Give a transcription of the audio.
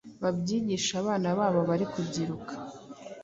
babyigishe abana babo bari kubyiruka